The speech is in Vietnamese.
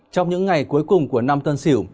trong những ngày cuối cùng của năm tân sỉu